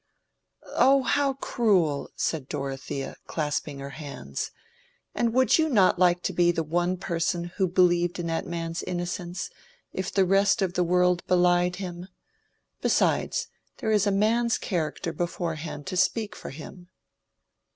"Oh, how cruel!" said Dorothea, clasping her hands. "And would you not like to be the one person who believed in that man's innocence, if the rest of the world belied him? Besides, there is a man's character beforehand to speak for him."